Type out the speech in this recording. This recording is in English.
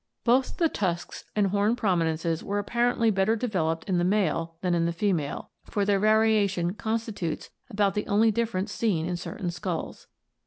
Both the tusks and horn promi nences were apparently better developed in the male than in the female, for their variation constitutes about the only difference seen in certain skulls.